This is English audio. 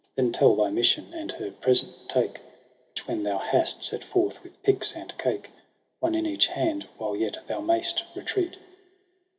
Then tell thy mission, and her present take j Which when thou hast, set forth with pyx and cake, One in each hand, while yet thou mayst retreat.